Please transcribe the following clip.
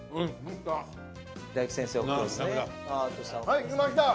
はいいきました。